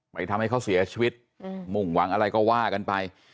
ทำให้เขาเสียชีวิตมุ่งหวังอะไรก็ว่ากันไป